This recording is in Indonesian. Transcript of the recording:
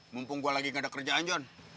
mumpung gue lagi gak ada kerjaan john